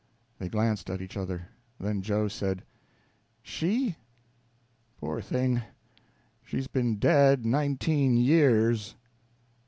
They glanced at each other. Then Joe said: "She? Poor thing, she's been dead nineteen years!"